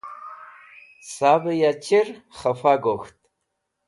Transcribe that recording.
Savẽ ya chir khẽfa gok̃ht.